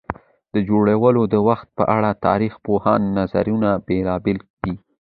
د جوړولو د وخت په اړه د تاریخ پوهانو نظرونه بېلابېل دي.